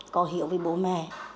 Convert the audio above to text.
có hiểu về bố mẹ